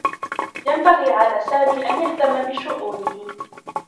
ينبغي على سامي أن يهتمّ بشؤونه.